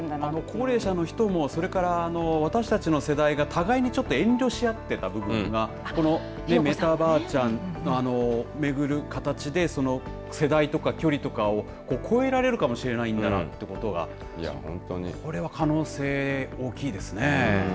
高齢者の方も私たちの世代が互いにちょっと遠慮し合ってた部分がこの、メタばあちゃんの巡る形で世代とか距離とかを越えられるかもしれないんだなということはこれは可能性、大きいですね。